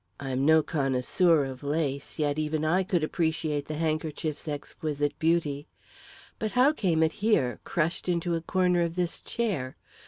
I am no connoisseur of lace, yet even I could appreciate the handkerchief's exquisite beauty. But how came it here, crushed into a corner of this chair?